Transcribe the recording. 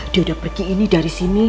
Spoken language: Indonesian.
dia sudah pergi ini dari sini